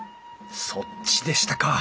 そっちでしたか。